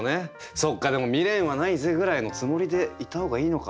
そっかでも「未練はないぜ」ぐらいのつもりでいた方がいいのか。